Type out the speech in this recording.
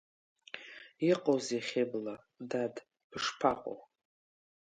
Иҟоузеи Хьыбла, дад, бышԥаҟоу?